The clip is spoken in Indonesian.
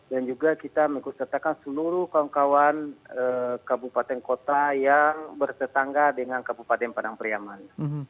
dan juga kita mengusertakan seluruh kawan kawan kabupaten kota yang bersetangga dengan kabupaten padang priaman